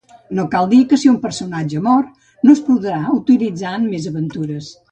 No cal dir que si un personatge mor, no es podrà utilitzar en més aventures.